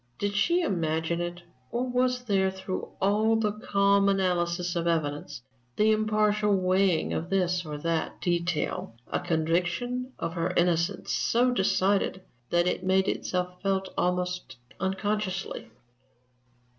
Did she imagine it, or was there, through all the calm analysis of evidence, the impartial weighing of this or that detail, a conviction of her innocence so decided that it made itself felt almost unconsciously?